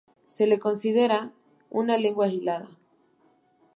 Se le considera una lengua aislada.